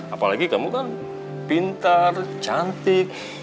apalagi kamu kan pintar cantik